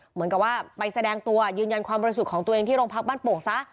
เหมือนกับว่าไปแสดงตัวยืนยันความบริสุทธิ์ของตัวเองที่โรงพักบ้านโป่งซะ